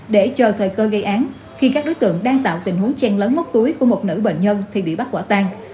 để chờ thời cơ gây án khi các đối tượng đang tạo tình huống chen lấn mốc túi của một nữ bệnh nhân thì bị bắt quả tang